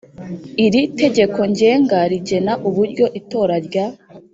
Iri Tegeko Ngenga rigena uburyo itora rya